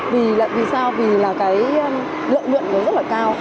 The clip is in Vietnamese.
vì sao vì là cái lợi nhuận nó rất là cao